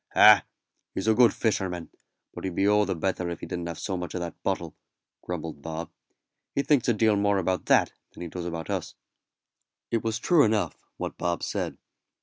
"Ah, he's a good fisherman, but he'd be all the better if he didn't have so much of that bottle," grumbled Bob; "he thinks a deal more about that than he does about us." It was true enough what Bob said.